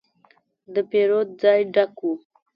د پیرود ځای ډک و.